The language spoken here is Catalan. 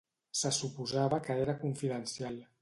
Se suposava que era confidencial.